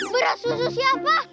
merah susu siapa